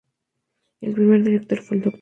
El primer Director fue el Dr.